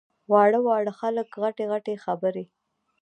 واړه واړه خلک غټې غټې خبرې!